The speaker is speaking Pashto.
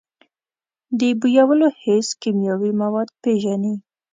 د بویولو حس کیمیاوي مواد پېژني.